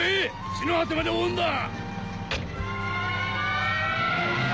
地の果てまで追うんだ！